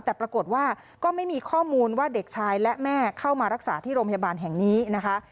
แต่ปรากฏว่าก็ไม่มีข้อมูลว่าเด็กชายและแม่เข้ามารักษาที่โรงพยาบาลแห่งนี้นะคะ